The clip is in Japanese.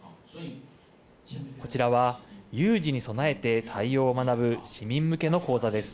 こちらは有事に備えて対応を学ぶ市民向けの講座です。